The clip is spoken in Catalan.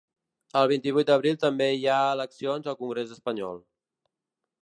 El vint-i-vuit d’abril també hi ha eleccions al congrés espanyol.